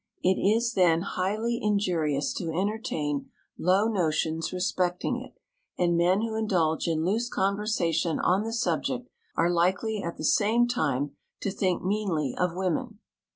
It is, then, highly injurious to entertain low notions respecting it, and men who indulge in loose conversation on the subject are likely at the same time to think meanly of women.